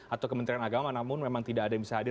atau kementerian agama namun memang tidak ada yang bisa hadir